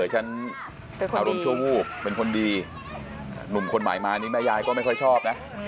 หนุ่มคนใหม่มารั้ม่ายายก็ไม่ค่อยชอบ